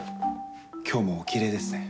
今日もおきれいですね。